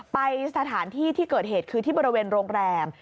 ไปสถานที่ที่เกิดเหตุคือที่บริเวณโรงแรม